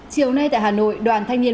chiều nay tại hà nội đoàn thanh niên